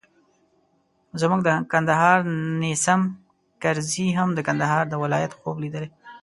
زموږ د کندهار نیسم کرزي هم د کندهار د ولایت خوب لیدلی.